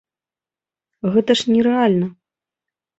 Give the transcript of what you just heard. Гэта ж не рэальна!